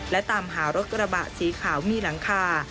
และตามหารถกระบะสีขาวมีหลังคา